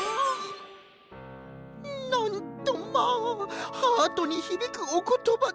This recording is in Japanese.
なんとまあハートにひびくおことばでございます。